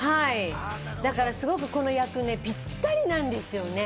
すごくこの役、ぴったりなんですよね。